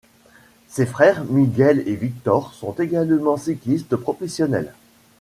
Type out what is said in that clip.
Ses frères Miguel et Víctor sont également cyclistes professionnels.